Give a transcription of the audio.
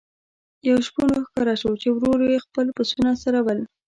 یو شپون را ښکاره شو چې ورو ورو یې خپل پسونه څرول.